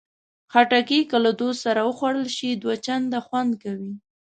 خټکی که له دوست سره وخوړل شي، دوه چنده خوند کوي.